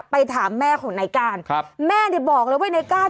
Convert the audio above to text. ถามแม่ของนายการครับแม่เนี่ยบอกเลยว่านายก้าน